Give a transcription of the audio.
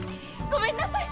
ごめんなさい！